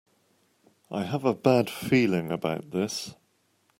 I have a bad feeling about this!